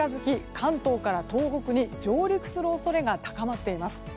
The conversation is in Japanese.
関東から東北に上陸する恐れが高まっています。